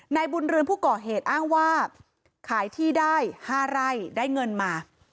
นายบุญเรือนผู้ก่อเหตุอ้างว่าขายที่ได้๕ไร่ได้เงินมา